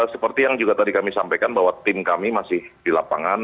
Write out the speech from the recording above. seperti yang juga tadi kami sampaikan bahwa tim kami masih di lapangan